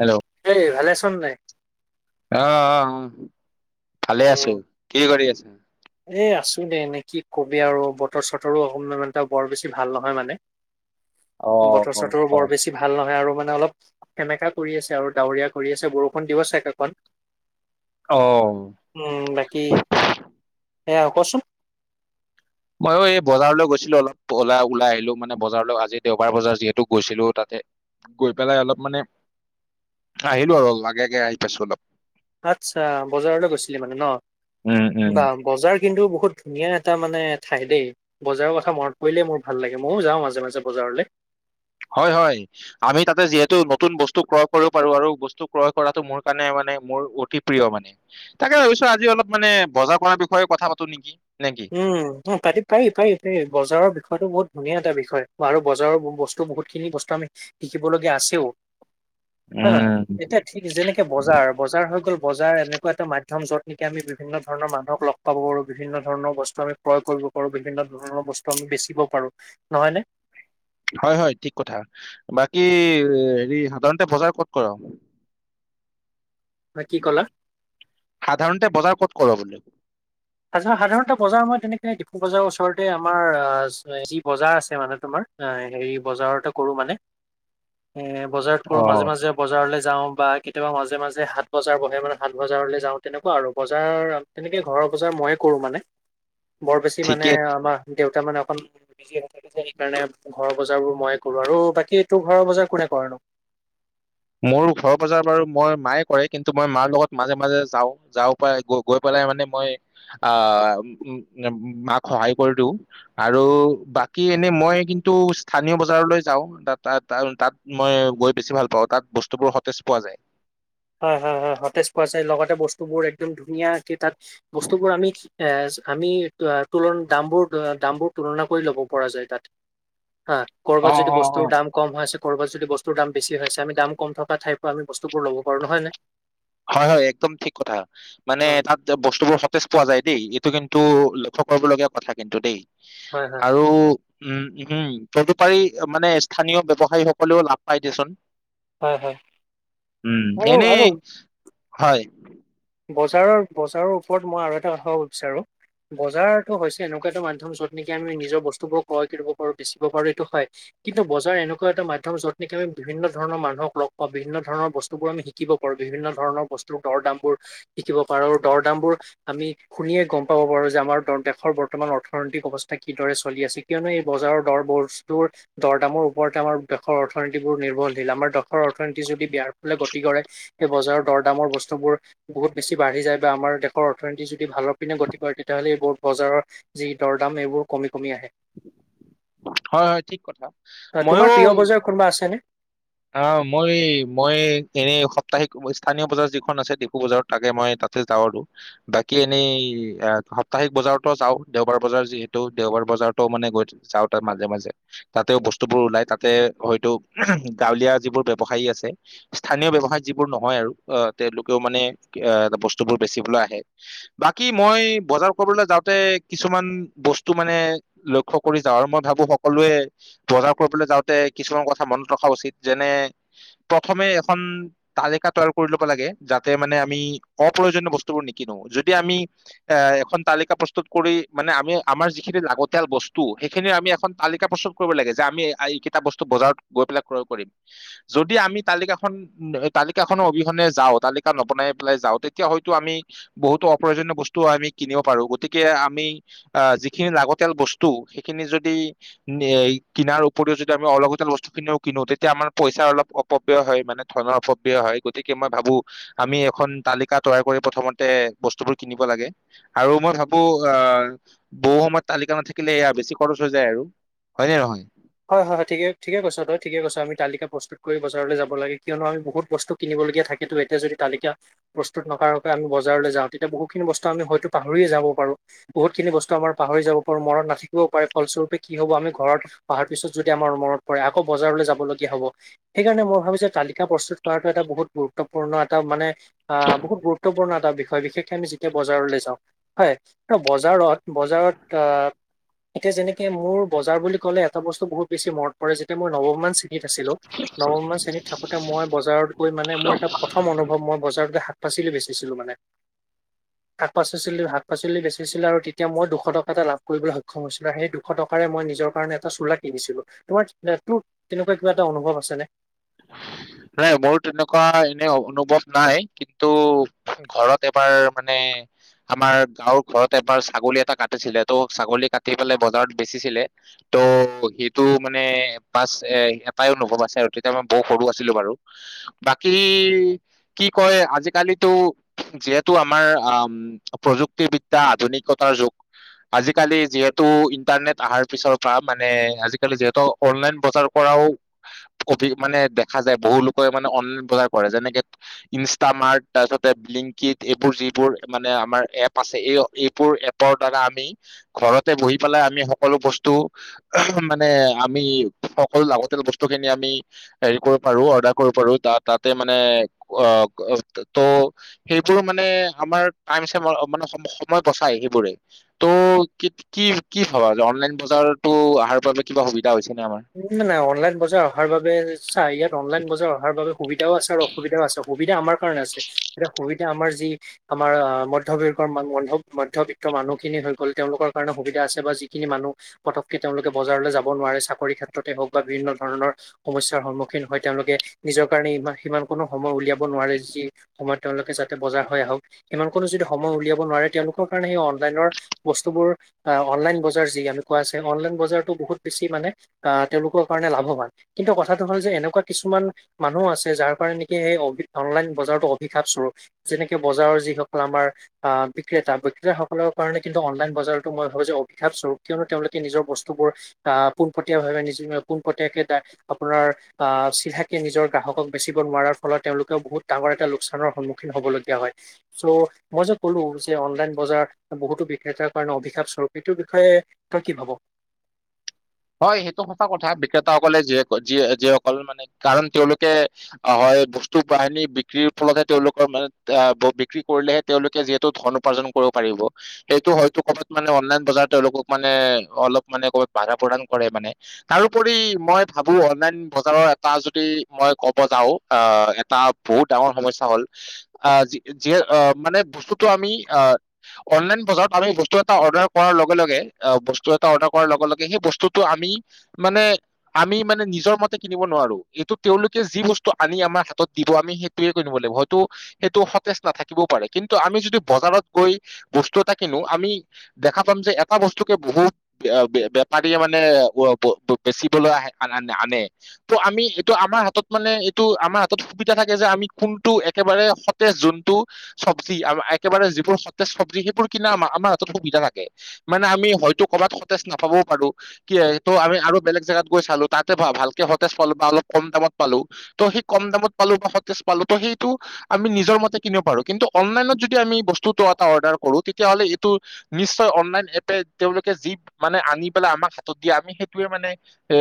Hello. এই ভালে আছ নাই। অহ, অ', অহ ভালে উম, আছোঁ কি কৰি আছা। এ আছোঁ দে এনে কি কবি আৰু বতৰ চতৰো অকমানটা বৰ বেছি ভাল নহয় মানে। [unintelligible] অ বতৰ অ চতৰো অ বৰ বেছি ভাল নহয় আৰু মানে অলপ সেমেকা কৰি আছে আৰু ডাৱৰীয়া কৰি আছে বৰষুণ দিব চাগে অকণ। অ'। উম বাকী এয়া কোচোন। মই অ', এই বজাৰলৈ গৈছিলোঁ অলপ ওলাই ওলাই আহিলো মানে বজাৰলৈ আজি দেওবাৰ বজাৰ যিহেতু গৈছিলোঁ তাতে গৈ পেলাই অলপ মানে আহিলো আৰু আগেগে আহি পাইছোঁ অলপ। আচ্ছা বজাৰলৈ গৈছিলি মানে ন উম উম বা। বজাৰ কিন্তু বহুত ধুনীয়া এটা মানে ঠাই দেই। বজাৰৰ কথা মনত পৰিলেই মোৰ ভাল লাগে ময়ো যাওঁ মাজে মাজে বজাৰলৈ। হয়, হয়। আমি তাতে যিহেতু নতুন বস্তু ক্ৰয় কৰিব পাৰো আৰু বস্তু ক্ৰয় কৰাতটো মোৰ কাৰণে মানে মোৰ অতি প্ৰিয় মানে তাকে ভাবিছোঁ আজি অলপ মানে বজাৰ কৰাৰ বিষয়ে কথা পাতো নে নেকি। উম, উম পাৰি, পাৰি, পাৰি, পাৰি বজাৰৰ বিষয়টো বহুত ধুনীয়া এটা বিষয় আৰু বজাৰৰ বস্তু বহুতখিনি বস্তু আমি শিকিবলগীয়া আছেও। অ', মাই উম এতিয়া ঠিক যেনেকে বজাৰ বজাৰ হৈ গ'ল বজাৰ এনেকুৱা এটা মাধ্যম য'ত নেকি আমি বিভিন্ন ধৰণৰ মানুহক লগ পাব পাৰো বিভিন্ন ধৰণৰ বস্তু আমি ক্ৰয় কৰিব পাৰো বিভিন্ন ধৰণৰ বস্তু আমি বেচিব পাৰো নহয় নে? হয়, হয় ঠিক কথা বাকী হেৰি সাধাৰণতে বজাৰ ক'ত কৰ? নে কি ক'লা সাধাৰণতে বজাৰ ক'ত ক'ৰ বলো? সাধাৰণতে বজাৰ মই তেনেকে ডিফু বজাৰৰ ওচৰতে আমাৰ যি বজাৰ আছে মানে তোমাৰ। অ', হেৰি বজাৰতে কৰো মানে। [inaudible] উম বজাৰত কৰো মাজে, অ'। মাজে বজাৰলৈ যাওঁ বা কেতিয়াবা মাজে, মাজে হাত বজাৰ বহে মানে সাত বজাৰলৈ যাওঁ তেনেকুৱা আৰু বজাৰ তেনেকে ঘৰৰ বজাৰ মইয়ে কৰো মানে বৰ বেছি মানে ঠিকেত আমাৰ দেউতা মানে অকন সেইকাৰণে ঘৰৰ বজাৰ বোৰ মই কৰো আৰু বাকী তোৰ ঘৰৰ বজাৰ কোনে কৰে নোঁ? মোৰ ঘৰ বজাৰ বাৰু মই মায়ে কৰে কিন্তু মই মাৰ লগত মাজে, মাজে যাওঁ, যাওঁ। গৈ পেলাই মানে মই আহ উ মাক সহায় কৰি দিওঁ। আৰু বাকী এনেই মই কিন্তু স্থানীয় বজাৰলৈ যাওঁ ত তাত মই গৈ বেছি ভাল পাওঁ তাত বস্তু বোৰ সতেজ পোৱা যায়। হয়, হয়, হয় সতেজ পোৱা যায় লগতে বস্তুবোৰ একদম ধুনীয়া তাত বস্তুবোৰ আমি এ আমি তুলনা দামবোৰ, দামবোৰ তুলনা কৰি ল'ব পৰা যায় তাত। অহ। ক'ৰবাত অ', যদি অ', বস্তুৰ অ'। দাম কম হৈ আছে ক'ৰবাত যদি বস্তুৰ দাম বেছি আমি দাম কম থকাঠাইৰ পৰা আ বস্তুবোৰ ল'ব সৰু নহয় নে? হয়, হয়, একদম ঠিক কথা, মানে হয় তাত বস্তুবোৰ সতেজ পোৱা যায় দেই, এইটো কিন্তু লক্ষ্য কৰিবলগীয়া কথা কিন্তু দেই। হয় হয় আৰু উম, উম, তদুপাৰি মানে স্থানীয় ব্যৱসায়ীসকলেও লাভ পায় দেচোন। হয় হয় উম, আৰু আৰু এনেই হয়। বজাৰৰ, বজাৰৰ ওপৰত মই আৰু এটা কথা ক'ব বিচাৰো। বজাৰটো হৈছে এনেকুৱা এটা মাধ্যম, য'ত নেকি আমি নিজৰ বস্তুবোৰ ক্ৰয় কৰিব পাৰো, বেচিব পাৰো এইটো হয়। কিন্তু বজাৰ এনেকুৱা এটা মাধ্যম য'ত নেকি আমি বিভিন্ন ধৰণৰ মানুহক লগ পাওঁ, বিভিন্ন ধৰণৰ বস্তু বোৰ আমি শিকি শিকিব পাৰো, বিভিন্ন ধৰণৰ বস্তুৰ দৰ-দামবোৰ শিকিব পাৰো, আৰু দৰ-দামবোৰ আমি শুনিয়ে গম পাব পাৰোঁ যে আমাৰ দ-দেশৰ বৰ্তমান অৰ্থনৈতিক অৱস্থা কিদৰে চলি আছে, কিয়নো এই বজাৰৰ দৰবোৰ স্তৰ দৰ-দামৰ ওপৰতে আমাৰ দেশৰ অৰ্থীতিবোৰ নিৰ্ভৰশীল, আমাৰ দশৰ অৰ্থনীতি যদি বেয়াৰ পিলে গতি কৰে সে বজাৰ-দৰ দামৰ বস্তুবোৰ বহুত বেছি বাঢ়ি যায়, বা আমাৰ দেশৰ অৰ্থনীতি যদি ভালৰ পিনে গতি কৰে, তেতিয়াহ'লে এইবোৰ বজাৰত যি দৰ-দাম এইবোৰ কমি কমি আহে। হয়, হয় ঠিক কথা ময়ো তোমাৰ প্ৰিয় বজাৰ কোনোবা আছেনে? অ', মই, মই এনেই সপ্তাহিক স্থানীয় বজাৰ যিখন আছে ডিগু বজাৰত থাকে, মই তাত তে, যাওঁৰ টো। বাকী এনেই এ, সাপ্তাহিক বজাৰতো যাওঁ, দেওবাৰ বজাৰ যিহেতু, দেওবাৰ বজাৰতো মানে গৈ যাওঁ তাত মাজে মাজে তাতেও বস্তুবোৰ ওলাই, তাতে হয়তো গাঁৱলীয়া যিবোৰ ব্যৱসায়ী আছে। স্থানীয় ব্যৱসায়ত যিবোৰ নহয় আৰু আহ, তেওঁলোকেও মানে এ, বস্তুবোৰ বেচিবলৈ আহে। বাকী মই বজাৰ কৰিবলৈ যাওঁতে কিছুমান বস্তু মানে লক্ষ্য কৰি যাওঁ, আৰু মই ভাবো সকলোৱে বজাৰ কৰিবলৈ যাওঁতে কিছুমান কথা মনত ৰখা উচিত। যেনে প্ৰথমে এখন তালিকা তৈয়াৰ কৰি ল'ব লাগে যাতে মানে আমি অপ্ৰয়োজনীয় বস্তুবোৰ নিকিনো, যদি আমি এ, এখন তালিকা প্ৰস্তুত কৰি, মানে আমি আমাৰ যিখিনি লাগতিয়াল বস্তু, সেইখিনি আমি এখন তালিকা প্ৰস্তুত ক'বই লাগে যে আমি এইকেইটা বস্তু বজাৰত গৈ পেলাই ক্ৰয় কৰিম, যদি আমি তালিকাখন [unintelligible] তালিকাখনৰ অবিহনে যাওঁ, তালিকা নবনাই পেলাই যাওঁ, তেতিয়া হয়তো আমি বহুতো অপ্ৰয়োজনীয় বস্তু আমি কিনিব পাৰো, গতিকে আমি আহ, যিখিনি লাগতিয়াল বস্তু সেইখিনি যদি নেই, কিনাৰ উপৰিও যদি আমি অলগতিয়াল বস্তু খিনিও কিনো, তেতিয়া আমাৰ পইচাৰ অলপ অপব্যয় হয়, মানে ধনৰ অপবব্যয় হয়, গতিকে মই ভাবো আমি এখন তালিকা তৈয়াৰ কৰি প্ৰথমতে বস্তুবোৰ কিনিব লাগে। আৰু মই ভাবো আহ, বহু সময়ত তালিকা নাথাকিলে এয়া বেছি খৰচ হৈ যায় আৰু। হয়নে নহয়? হয়, হয়, হয়, ঠিকে-ঠিকে কৰছা তই, ঠিকে কৰছা মই তালিকা প্ৰস্তু খুৰি, বজাৰলৈ যাব লাগে কিয়নো আমি বহুত বস্তু কিনিবলগীয়া থাকেতো এতিয়া যদি তালিকা প্ৰস্তুত নকৰাকৈ আমি বজাৰলৈ যাওঁ, তেতিয়া বহুতখিনি বস্তু আমি হয়তো পাহৰিয়ে যাব পাৰো। বহুতখিনি বস্তু আমাৰ পাহৰি যাব পাৰো, মৰত নাথাকিবও পাৰে, ফলস্বৰপ কি হ'ব আমি ঘৰত পাহাৰ পিছত যদি আমাৰ মনত পৰে, আকৌ বজাৰলৈ যাব লগীয়া হ'ব। সেইকাৰণে মই ভাবিছো তালিকা প্ৰস্তুত কৰাটো এটা বহুত গুৰুত্বপূৰ্ণ, এটা মানে আ, বহুত গুৰুত্বপূৰ্ণ এটা বিষয় বিশেষকে আমি যি এ বজাৰলৈ যাওঁ হয় বজাৰত বজাৰত আ এতিয়া যেনেকে মোৰ বজাৰ বুলি ক'লে এটা বস্তু বহুত বেছি মনত পৰে যেতিয়া মই নৱমমান শ্ৰেণী আছিলো নৱমমান শ্ৰেণীত থাকোঁতে মই বজাৰত গৈ মানে মোৰ এটা প্ৰথম অনুভৱ মই বজাৰতে শাক পাচলি বেচিছিলোঁ মানে [inaudible] শাক পাচিছিলো শাক পাচলি বেচিছিলো আৰু তেতিয়া মই দুশ টকা এটা লাভ কৰিবলৈ সক্ষম হৈছিলো আৰু সেই দুশ টকাৰে মই নিজৰ কাৰণে এটা চোলা কিনিছিলো তোমাৰ তোৰ তেনেকুৱা কিবা এটা অনুভৱ আছে নে। [unintelligible] নাই মোৰ তেনেকুৱা এনে অনুভৱ নাই কিন্তু ঘৰত এবাৰ মানে আমাৰ গাঁৱৰ ঘৰত এবাৰ ছাগলী এটা কাটিছিলে ত' ছাগলী কাটি পেলাই বজাৰত বেচিছিলে ত' সেইটো মানে পাছ এটাইয়ে অনুভৱ আছে আৰু তেতিয়া মই বৌ সৰু আছিলো বাৰু। বাকী কি কয় আজিকালিতো যিহেতু আমাৰ আ-ম প্ৰযুক্তিবিদ্যা আধুনিকতাৰ যুগ। আজিকালি যিহেতু ইন্টাৰনেট আহাৰ পিছৰ পৰা মানে আজিকালি যিহেতু অনলাইন বজাৰ কৰাও অভি মানে দেখা যায় বহু লোকে মানে অনলাইন বজাৰ কৰে যেনেকে ইনষ্টামাৰ্ট তাৰপিছতে ব্লিংকিট এইবোৰ যিবোৰ মানে আমাৰ এপ আছে এই এইবোৰ এপ ৰ দ্বাৰা আমি ঘৰতে বহি পেলাই আমি সকলো বস্তু মানে আমি সকলো লাগতিয়াল বস্তু খিনি আমি হেৰি কৰিব পাৰো অৰ্ডাৰ কৰিব পাৰো তা তাতে মানে অ ত সেইবোৰ মানে আমাৰ টাইমচ মানে সম সময় বচাই সেইবোৰে। ত' কি কি কি ভাবা যে অনলাইন বজাৰতো আহাৰ পৰা কিবা সুবিধা হৈছে নে আমাৰ। না নাই অনলাইন বজাৰ অহাৰ বাবে চা ইয়াত অনলাইন বজাৰ অহাৰ বাবে সুবিধাও আছে আৰু অসুবিধাও আছে সুবিধা আমাৰ কাৰণে আছে এতিয়া সুবিধা আমাৰ যি আমাৰ আহ মধ্যবৰ্গৰ মানু মধ্য মধ্যবিত্তৰ মানুহখিনি হৈ গ'ল তেওঁলোকৰ কাৰণে সুবিধা আছে বা যিখিনি মানুহ পটককে তেওঁলোকে বজাৰলৈ যাব নোৱাৰে চাকৰিৰ ক্ষেত্ৰতে হওক বা বিভিন্ন ধৰণৰ সমস্যাৰ সন্মুখীন হয় তেওঁলোকে নিজৰ কাৰণে ইমান সিমান কণো সময় উলিয়াব নোৱাৰে যি সময়ত তেওঁলোকে যাতে বজাৰ হৈ আহক সিমান কণো যদি সময় উলিয়াব নোৱাৰে তেওঁলোকৰ কাৰণে সেই অনলাইনৰ বস্তুবোৰ আ অনলাইন বজাৰ যি আমি কোৱা আছে অনলাইন বজাৰতো বহুত বেছি মানে আহ তেওঁলোকৰ কাৰণে লাভৱান কিন্তু কথাটো হ'ল যে এনেকুৱা কিছুমান মানুহ আছে যাৰ কাৰণে নিকি সেই অভি অনলাইন বজাৰতো অভিশাপ স্বৰুপ। যেনেকে বজাৰৰ যিসকল আমাৰ আহ বিক্ৰেতা বিক্ৰেতাসকলৰ কাৰণে কিন্তু অনলাইন বজাৰতো মই ভাবো যে অভিশাপ স্বৰূপ কিয়নো তেওঁলোকে নিজৰ বস্তুবোৰ আহ পোনপটীয়া ভাৱে নিজ পোনপটীয়াকে দা আপোনাৰ আ চিধাকে নিজৰ গ্ৰাহকক বেচিব নোৱাৰাৰ ফলত তেওঁলোকেও বহুত ডাঙৰ এটা লোকচানৰ সন্মুখীন হবলগীয়া হয় চৌ মই যে ক'লো যে অনলাইন বজাৰ বহুতো বিক্ৰেতাৰ কাৰণে অভিশাপ স্বৰূপ এইটোৰ বিষয়ে তই কি ভাব হয় সেইটো সঁচা কথা বিক্ৰেতাসকলে যিয়ে যিয়ে যিসকল মানে কাৰণ তেওঁলোকে অ হয় বস্তু বাহিনী বিক্ৰীৰ ফলতহে তেওঁলোকৰ মানে আহ বিক্ৰী কৰিলেহে তেওঁলোকে যিহেতু ধন উপাৰ্জন কৰিব পাৰিব সেইটো হয়তো ক'বাত মানে অনলাইন বজাৰ তেওঁলোকক মানে অলপ মানে ক'বাত বাধা প্ৰদান কৰে মানে তাৰোপৰি মই ভাবো অনলাইন বজাৰৰ এটা যদি মই কব যাওঁ আ এটা বহুত ডাঙৰ সমস্যা হ'ল আহ যি যিয়ে আ মানে বস্তুটো আমি আহ অনলাইন বজাৰত আমি বস্তু এটা অৰ্ডাৰ কৰাৰ লগে লগে অ বস্তু এটা অৰ্ডাৰ কৰাৰ লগে লগে সেই বস্তু -ত আমি মানে আমি মানে নিজৰ মতে কিনিব নোৱাৰো এইটো তেওঁলোকে যি বস্তু আনি আমাৰ হাতত দিব আমি সেই [unintelligible] লাগিব হয়তটো সেইটো সতেজ নাথাকিবও পাৰে কিন্তু আমি যদি বজাৰত গৈ বস্তু এটা কিনো আমি দেখা পাম যে এটা বস্তুকে বহুত বেপাৰীয়ে, মানে। মানে ব, ' ব বেচিবলৈ অ, অ' আনে। ত' আমি এইটো আমাৰ হাতত মানে এইটো আমাৰ হাতত সুবিধা থাকে যে আমি কোনটো একেবাৰে সতেজ যোনটো চব্জি একেবাৰে যিবোৰ সতেজ চব্জি সেইবোৰ কিনা আ আমাৰ হাতত সুবিধা থাকে। মানে আমি হয়তো কৰবাত সতেজ নাপাবও পাৰো। কি ত' আমি আৰু বেলেগ জেগাত গৈ চালো তাতে ভালকে সতেজ পালো বা অলপ কম দামত পালো। ত' সেই কম দামত পালো বা সতেজ পালো ত' সেইটো আমি নিজৰ মতে কিনিব পাৰো কিন্তু অনলাইনত, যদি আমি বস্তুটো এটা অৰ্ডাৰ কৰো তেতিয়াহ'লে এইটো নিশ্চয় অনলাইন, এপে তেওঁলোকে যি মানে আনি পেলাই আমাক হাতত দিয়ে আমি সেইটোৱে মানে। এ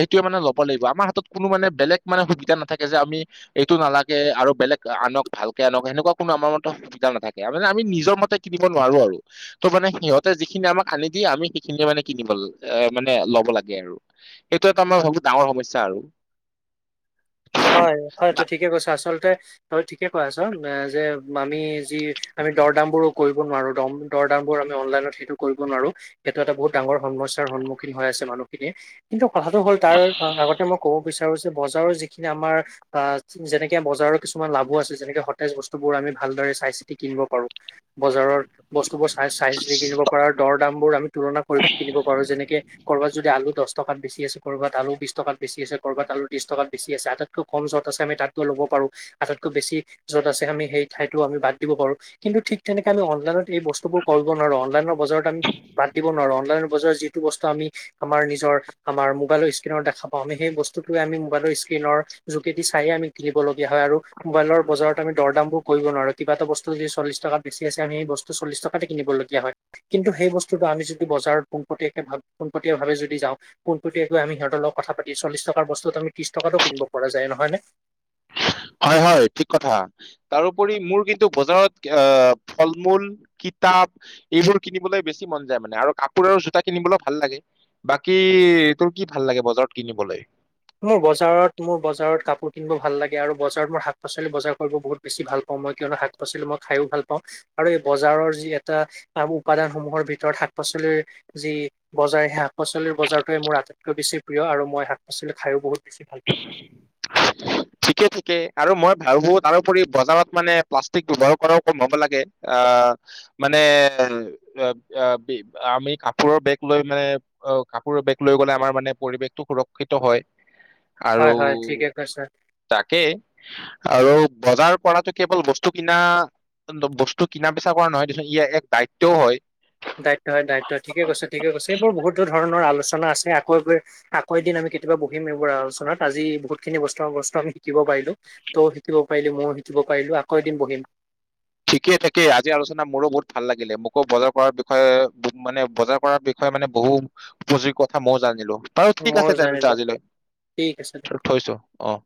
সেইটোৱে মানে ল'ব লাগিব আমাৰ হাতত কোনো মানে বেলেগ মানে সুবিধা নাথাকে যে আমি। এইটো নালাগে আৰু বেলেগ আনক ভালকে আনক সেনেকুৱা কোনো আমাৰ মতে সুবিধা নাথাকে মানে আমি নিজৰ মতে কিনিব নোৱাৰো আৰু ত' মানে সিহঁতে যিখিনি আমাক আনি দিয়ে আমি সেইখিনিয়ে মানে কিনিব লাগে। এ মানে লব লাগে আৰু এইটো এটা আমাৰ ডাঙৰ সমস্যা আৰু। হয় হয় এইটো বা- ঠিকে কৈছে আচলতে তই ঠিকে কৈ আছ যে আমি যি আমি দৰদাম বোৰো কৰিব নোৱাৰো দম দৰ দাম বোৰ আমি অনলাইনত, সেইটো কৰিব নোৱাৰো সেইটো এটা বহুত ডাঙৰ সমস্যাৰ সন্মুখীন হৈ আছে মানুহখিনিয়ে কিন্তু কথাটো হল তাৰ আগতে মই ক'ব বিচাৰো। তাৰ পিছত বজাৰৰ যিখিনি আমাৰ। আহ যেনেকে বজাৰৰ, কিছুমান লাভো আছে যেনেকে সতেজ বস্তুবোৰ আমি ভালদৰে চাই চিতি কিনিব পাৰো। বজাৰৰ বস্তুবোৰ চাই চাই চিতি কিনিব পাৰাৰ দৰ দাম বোৰ আমি। তুলনা কৰি কিনিব পাৰো যেনেকে কৰবাত যদি আলু, দহ টকাত বেছি আছে ক'ৰবাত আলু, বিশ টকাত বেছি আছে ক'ৰবাত আলু ত্ৰিশ টকাত। বেছি আছে আটাইতকৈ কম য'ত আছে আমি তাতকগৈ লব পাৰো। আটাইতকৈ বেছি য'ত আছে আমি সেই ঠাইতো আমি বাদ দিব পাৰো। কিন্তু ঠিক তেনেকে আমি অনলাইনত এই বস্তু বোৰ কৰিব নোৱাৰো অনলাইনৰ বজাৰত আমি। বাদ দিব নোৱাৰো অনলাইনৰ, বজাৰত যিটো বস্তু আমি আমাৰ নিজৰ আমাৰ ম'বাইলৰ, স্ক্ৰীণত দেখা পাওঁ আমি সেই বস্তুটোয়ে আমি ম'বাইলৰ, স্ক্ৰীণ -ৰ যোগেদি চাই আমি কিনিব লগীয়া হয় আৰু মোবাইলৰ বজাৰত আমি দৰ দামবোৰ। কৰিব নোৱাৰোঁ কিবা এটা বস্তু যদি চল্লিশ টকাত বেছি আছে আমি সেই বস্তু চল্লিশ টকাতে কিনিবলগীয়া হয়। কিন্তু সেই বস্তুটো আমি যদি বজাৰত পোনপটীয়াকে পোনপটীয়া ভাৱে যদি যাওঁ। পোনপটীয়াকৈ আমি সিহঁতৰ লগত কথা পাতি চল্লিশ টকাৰ বস্তুটো আমি ত্ৰিশ টকাটো কিনিব পৰা যায় নহয়নে। হয় হয় ঠিক কথা। তাৰোপৰি মোৰ কিন্তু বজাৰত আহ ফল- মূল কিতাপ এইবোৰ কিনিবলৈ বেছি মন যায় মানে আৰু কাপোৰ, আৰু জোতা, কিনিবলৈ ভাল লাগে। বাকী তোৰ কি ভাল লাগে বজাৰত কিনিবলৈ? মোৰ বজাৰত মোৰ বজাৰত কাপোৰ কিনিব ভাল লাগে আৰু বজাৰত মই শাক- পাচলি বজাৰ কৰিব বহুত বেছি ভাল পাওঁ মই কিয়নো শাক পাছলি মই খায়ো ভাল পাওঁ। আৰু এই বজাৰৰ যি এটা উপাদানসমূহৰ ভিতৰত শাক -পাচলিৰ যি বজাৰ সেই শাক পাচলিৰ বজাৰটোৱে মোৰ আটাইতকৈ বেছি প্ৰিয় আৰু মই শাক -পাচলি খায়ো বহুত বেছি ভাল পাওঁ। [inaudible] ঠিকে থাকে আৰু মই ভাবো তাৰোপৰি বজাৰত মানে প্লাষ্টিক ব্যৱহাৰ কৰাও কম হ'ব লাগে আহ মানে আমি কাপোৰৰ বেগ লৈ মানে অ কাপোৰৰ বেগ লৈ গলে আমাৰ মানে পৰিৱেশটো সুৰক্ষিত হয়। আৰু হয় হয় ঠিকে কৈছা। তাকে আৰু বজাৰ কৰাতো কেৱল বস্তু কিনা বস্তু কিনা বাচা কৰা নহয় দেচোন ইয়াৰ এক দায়িত্বও হয়। দায়িত্ব হয় দায়িত্ব হয়ঠিকে কৈছে ঠিকে কৈছে। এইবোৰ বহুতো ধৰণৰ আলোচনা আছে আকৌ গৈ আকৌ এদিন আমি কেতিয়াবা বকিম এইবোৰ আলোচনাত আজি বহুত খিনি বস্তু বস্তু আমি শিকিব পাৰিলো। তইও শিকিব পাৰিলি মইও শিকিব পাৰিলো আকৌ এদিন বহিম। ঠিকে থাকেই আজি আলোচনা মোৰো বহুত ভাল লাগিলে মোকো বজাৰ কৰাৰ বিষয়ে মানে বজাৰ কৰাৰ বি হয় মানে বহু উপযোগী কথা মইও জানিলো বাৰু ঠিক ময়ো আছে তেনেতে জানিলো আজিলৈ ঠিক আছে দে থৈছো অহ।